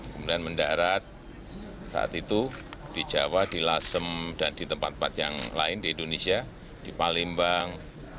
kemudian mendarat saat itu di jawa di lasem dan di tempat tempat yang lain di indonesia di palembang